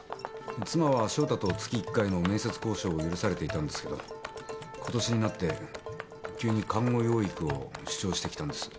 妻は翔太と月一回の面接交渉を許されていたんですけど今年になって急に監護養育を主張してきたんです。